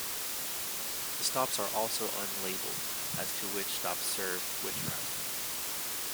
The stops are also unlabelled as to which stop serves which route.